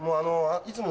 いつもの？